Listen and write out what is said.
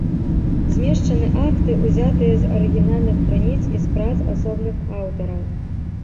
Змешчаны акты, ўзятыя з арыгінальных крыніц і з прац асобных аўтараў.